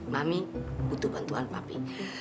mami butuh bantuan mami